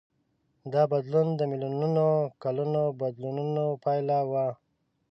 دا بدلون د میلیونونو کلونو بدلونونو پایله وه.